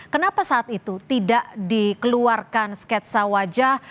kenapa saat itu tidak dikeluarkan sketsa wajah